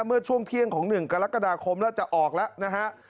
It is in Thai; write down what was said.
เมื่อช่วงเที่ยงของ๑กรกฎาคมแล้วจะออกแล้วนะฮะ